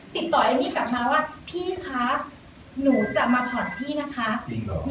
เอมมี่กลับมาว่าพี่คะหนูจะมาผ่านพี่นะคะจริงเหรอ